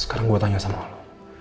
sekarang gue tanya sama allah